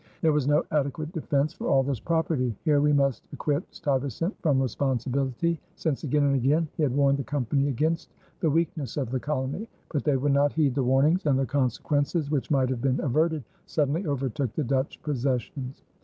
There was no adequate defense for all this property. Here we must acquit Stuyvesant from responsibility, since again and again he had warned the Company against the weakness of the colony; but they would not heed the warnings, and the consequences which might have been averted suddenly overtook the Dutch possessions.